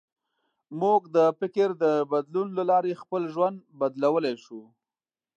موږ د فکر د بدلون له لارې خپل ژوند بدلولی شو.